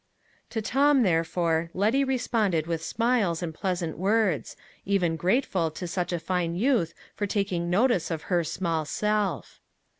To Tom, therefore, Letty responded with smiles and pleasant words, even grateful to such a fine youth for taking notice of her small self.